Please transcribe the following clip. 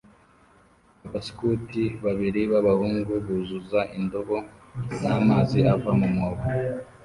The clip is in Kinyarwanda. abaskuti babiri b'abahungu buzuza indobo n'amazi ava mu mwobo